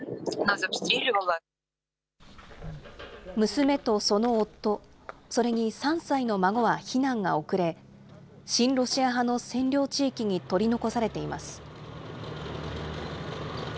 娘とその夫、それに３歳の孫は避難が遅れ、親ロシア派の占領地域に取り残されています。